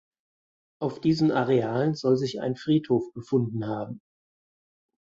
Auf diesen Arealen soll sich ein Friedhof befunden haben.